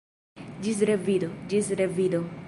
Ĝis revido, ĝis revido!